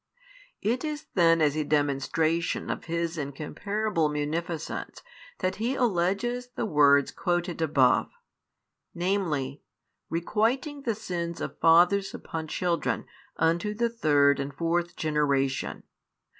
It is then as a demonstration of His incomparable munificence that He alleges the words quoted above, viz: Requiting the sins of fathers upon children unto the third and fourth generation.